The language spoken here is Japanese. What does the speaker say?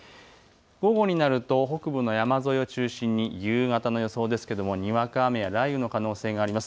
午後になると北部の山沿いを中心に、夕方の予想ですけどもにわか雨や雷雨の可能性があります。